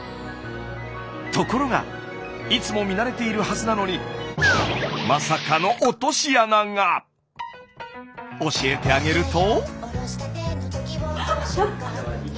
ところがいつも見慣れているはずなのにまさかの教えてあげると。